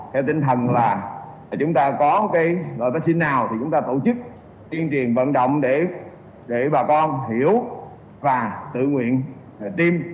theo tinh thần là chúng ta có cái vaccine nào thì chúng ta tổ chức tiên triền vận động để bà con hiểu và tự nguyện tiêm